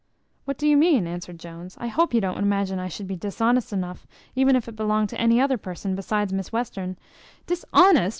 "What do you mean?" answered Jones; "I hope you don't imagine that I should be dishonest enough, even if it belonged to any other person, besides Miss Western " "Dishonest!"